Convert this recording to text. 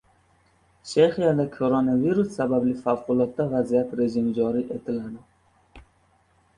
Chexiyada koronavirus sababli favqulodda vaziyat rejimi joriy etiladi